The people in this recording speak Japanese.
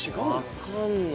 分かんない。